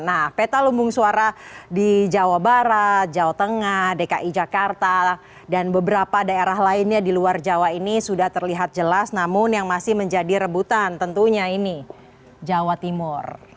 nah peta lumbung suara di jawa barat jawa tengah dki jakarta dan beberapa daerah lainnya di luar jawa ini sudah terlihat jelas namun yang masih menjadi rebutan tentunya ini jawa timur